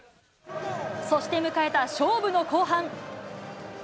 そして迎えた勝負の後半。